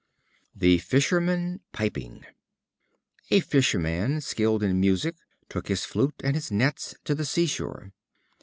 The Fisherman Piping. A Fisherman skilled in music took his flute and his nets to the sea shore.